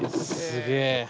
すげえ！